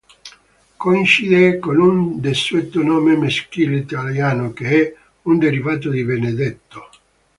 Coincide con un desueto nome maschile italiano, che è un derivato di Benedetto.